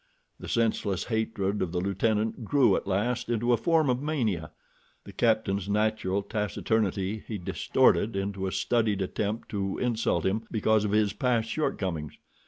The senseless hatred of the lieutenant grew at last into a form of mania. The captain's natural taciturnity he distorted into a studied attempt to insult him because of his past shortcomings.